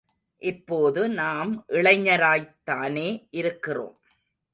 இப்போது நாம் இளைஞராய்த் தானே இருக்கிறோம்.